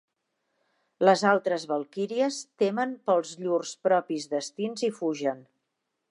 Les altres valquíries temen pels llurs propis destins i fugen.